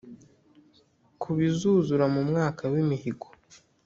ko bizuzura mu mwaka w’imihigo